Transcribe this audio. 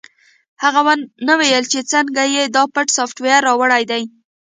هغه ونه ویل چې څنګه یې دا پټ سافټویر راوړی دی